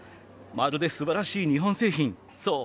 まるで素晴らしい日本製品そう